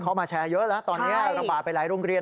เขามาแชร์เยอะแล้วตอนนี้ระบาดไปหลายโรงเรียน